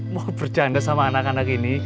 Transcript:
mau bercanda sama anak anak ini